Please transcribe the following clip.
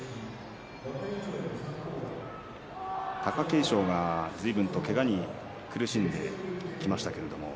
貴景勝がずいぶんとけがに苦しんできました。